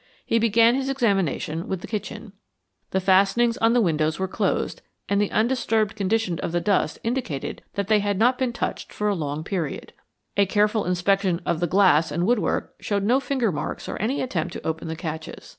He began his examination with the kitchen. The fastenings on the windows were closed, and the undisturbed condition of the dust indicated that they had not been touched for a long period. A careful inspection of the glass and woodwork showed no finger marks or any attempt to open the catches.